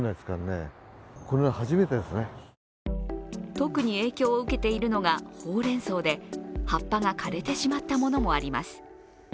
特に影響を受けているのがほうれんそうで葉っぱが枯れてしまったものもあります。